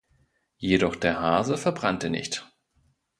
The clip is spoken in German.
Jedoch der Hase verbrannte nicht.